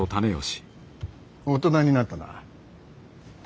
大人になったな。